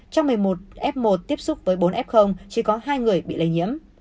trong một mươi một f một tiếp xúc với bốn f chỉ có hai người bị lây nhiễm